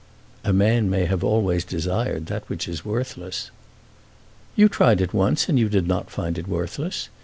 "A man may have always desired that which is worthless." "You tried it once, and did not find it worthless.